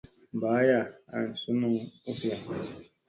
Mba aya, an sunuŋ uziya.